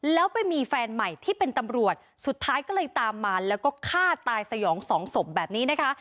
แล้วไปมีแฟนใหม่ที่เป็นตำรวจสุดท้ายก็เลยตามมาแล้วก็ฆ่าตายสยองสองศพแบบนี้นะคะ